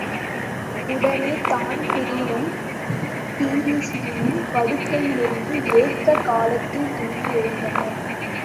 உடனே தான்பிரீனும் டிரீஸியும் படுக்கையிலிருந்து ஏககாலத்தில் துள்ளி ஏழுந்தனர்.